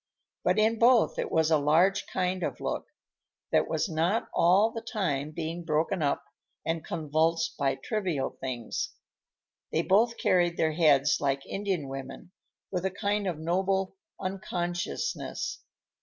But in both it was a large kind of look, that was not all the time being broken up and convulsed by trivial things. They both carried their heads like Indian women, with a kind of noble unconsciousness.